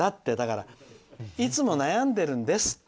いつも悩んでるんですって。